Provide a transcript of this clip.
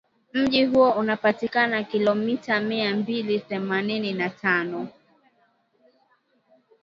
Mji huo unapatikana kilomita mia mbili themanini na tano